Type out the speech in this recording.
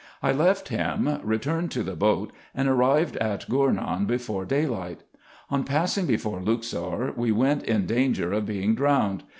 I left him, returned to the boat, and arrived at Gournou before daylight. On passing before Luxor, we were in danger of being drowned.